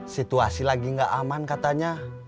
situasi lagi nggak aman katanya